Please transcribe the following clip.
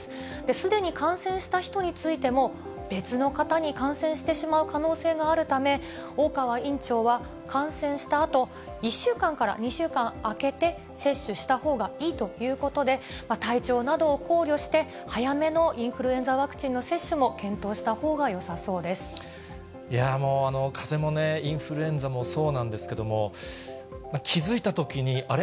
すでに感染した人についても、別の型に感染してしまう可能性があるため、大川院長は、感染したあと、１週間から２週間空けて、接種したほうがいいということで、体調などを考慮して、早めのインフルエンザワクチンの接種も検討したほうがよさそうでいやー、もう、かぜもね、インフルエンザもそうなんですけれども、気付いたときに、あれ？